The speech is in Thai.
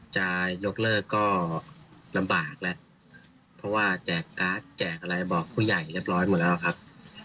จะยกเลิกก็ลำบากแล้วเพราะว่าแจกการ์ดแจกอะไรบอกผู้ใหญ่เรียบร้อยหมดแล้วครับ